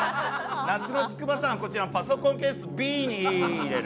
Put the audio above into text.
夏の筑波山はこちらのパソコンケースＢに入れる。